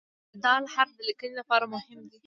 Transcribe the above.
د "د" حرف د لیکنې لپاره مهم دی.